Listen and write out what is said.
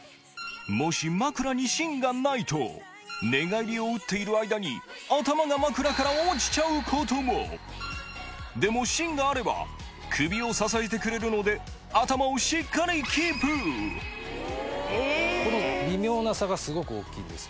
もし枕に芯がないと寝返りを打っている間に頭が枕から落ちちゃうこともでも芯があれば首を支えてくれるのでしっかりこの微妙な差がすごく大きいんです。